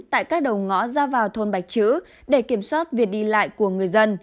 tại các đầu ngõ ra vào thôn bạch chữ để kiểm soát việc đi lại của người dân